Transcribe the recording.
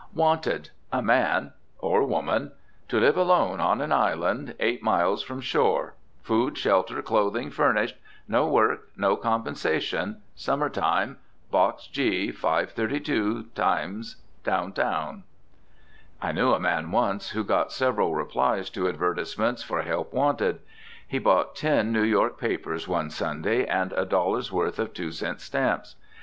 "WANTED A man (or woman) to live alone on an island, eight miles from shore; food, shelter, clothing furnished; no work, no compensation. Summer time, Box G, 532 Times, Downtown." I knew a man once who got several replies to advertisements for help wanted. He bought ten New York papers one Sunday and a dollar's worth of two cent stamps.